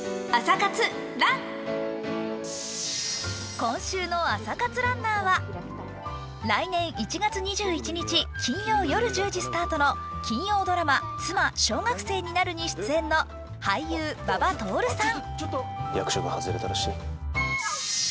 今週の朝活ランナーは来年１月２１日金曜夜１０時スタートの金曜ドラマ「妻、小学生になる」に出演の俳優・馬場徹さん。